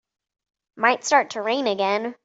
Might start to rain again.